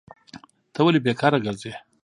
ته ولي بیکاره کرځي؟